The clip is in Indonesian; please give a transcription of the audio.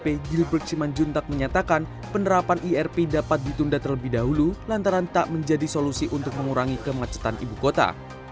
bp gilberg simanjuntak menyatakan penerapan irp dapat ditunda terlebih dahulu lantaran tak menjadi solusi untuk mengurangi kemacetan ibu kota